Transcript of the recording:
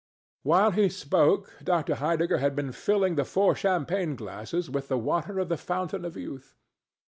While he spoke Dr. Heidegger had been filling the four champagne glasses with the water of the Fountain of Youth.